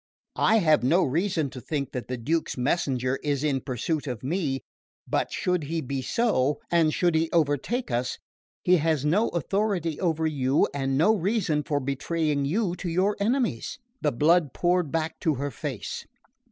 I have no reason to think that the Duke's messenger is in pursuit of me; but should he be so, and should he overtake us, he has no authority over you and no reason for betraying you to your enemies." The blood poured back to her face.